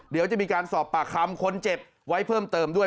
เดี๋ยวจะมีการสอบปากคำคนเจ็บไว้เพิ่มเติมด้วย